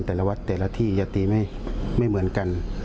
แต่ละวัดแต่ละที่อย่าตีไม่เหมือนกัน